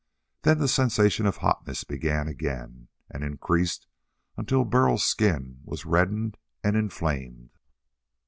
Then the sensation of hotness began again and increased until Burl's skin was reddened and inflamed.